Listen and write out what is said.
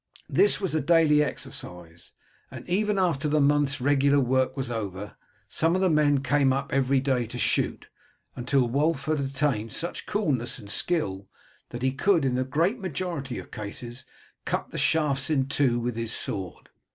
This was a daily exercise, and even after the month's regular work was over some of the men came up every day to shoot, until Wulf had attained such coolness and skill that he could in the great majority of cases cut the shafts in two with his sword.